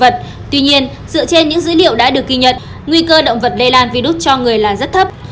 tuy nhiên dựa trên những dữ liệu đã được ghi nhận nguy cơ động vật lây lan virus cho người là rất thấp